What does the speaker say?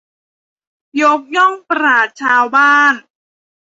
ยกย่องปราชญ์ชาวบ้าน